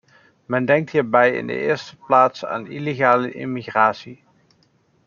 Men denke hierbij in de eerste plaats aan illegale immigratie.